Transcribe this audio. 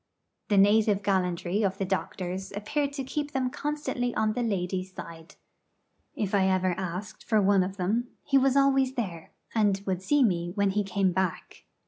The native gallantry of the doctors appeared to keep them constantly on the ladies' side. If ever I asked for one of them, he was always there, and would see me when he came back.